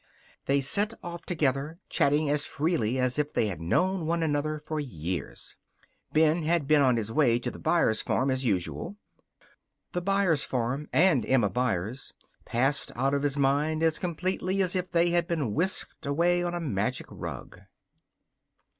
They set off together, chatting as freely as if they had known one another for years. Ben had been on his way to the Byers farm, as usual. The Byers farm and Emma Byers passed out of his mind as completely as if they had been whisked away on a magic rug.